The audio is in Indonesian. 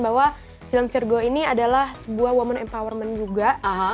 bahwa film virgo ini adalah sebuah women empowerment juga